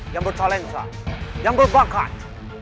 yang bertalenta yang berbakat